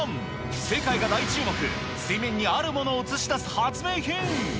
世界が大注目、水面にあるものを映し出す発明品。